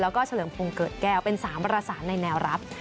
แล้วก็เฉลิมพงศ์เกิดแก้วเป็น๓ประสานในแนวรับ